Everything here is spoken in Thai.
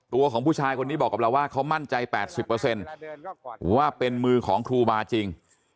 ตัวของผู้ชายคนนี้บอกกับเราว่าเขามั่นใจ๘๐ว่าเป็นมือของครูบาจริง